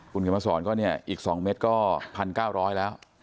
คุณเขียนมาสอนก็เนี่ยอีก๒เม็ดก็๑๙๐๐แล้ว